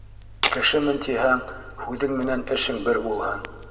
Кешемен тиһәң, һүҙең менән эшең бер булһын.